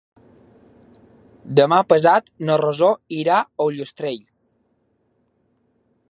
Demà passat na Rosó irà a Ullastrell.